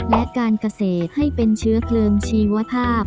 และการเกษตรให้เป็นเชื้อเพลิงชีวภาพ